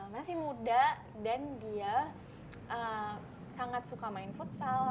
masih muda dan dia sangat suka main futsal